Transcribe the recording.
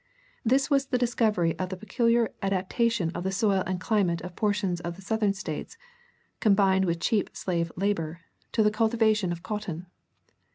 This was the discovery of the peculiar adaptation of the soil and climate of portions of the Southern States, combined with cheap slave labor, to the cultivation of cotton.